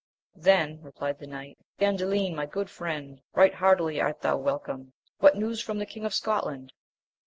Then replied the knight, Gandalin ! my good friend ! right heartUy art thou welcome : what news from the King of Scotland